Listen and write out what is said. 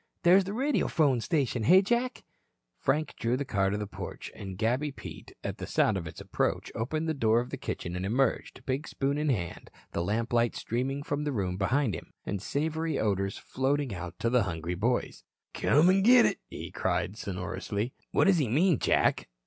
"There's the radiophone station, hey, Jack?" Frank drew the car to the porch, and Gabby Pete, at the sound of its approach, opened the door of the kitchen and emerged, big spoon in hand, the lamplight streaming from the room behind him, and savory odors floating out to the hungry boys. "Come an' git it," he called sonorously. "What does he mean Jack?"